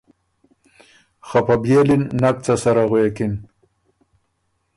خه په بيېلی ن نک څه سره غوېکِن۔